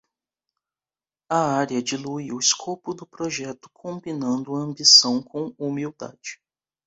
A área dilui o escopo do projeto, combinando ambição com humildade.